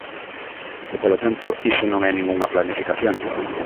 E, polo tanto, iso non é ningunha planificación.